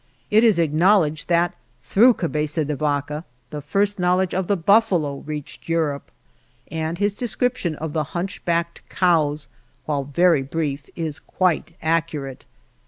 It is acknowledged that through Cabeza de Vaca the first knowl edge of the buffalo reached Europe, and his description of the hunchbacked cows, while very brief, is quite accurate.